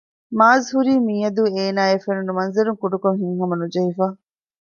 މާޒް ހުރީ މިއަދު އޭނާއަށް ފެނުނު މަންޒަރުން ކުޑަކޮށް ހިތްހަމަނުޖެހިފަ